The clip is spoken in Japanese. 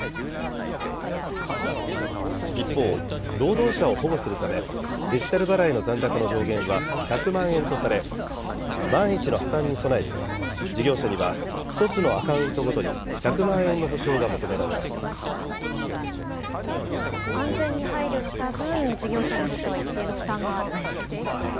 一方、労働者を保護するため、デジタル払いの残高の上限は１００万円とされ、万一の破綻に備えて、事業者には１つのアカウントごとに１００万円の保証が求められま安全に配慮した分、事業者にとっては一定の負担があるということですね。